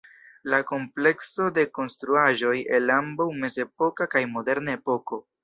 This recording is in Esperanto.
La komplekso de konstruaĵoj el ambaŭ mezepoka kaj moderna epoko.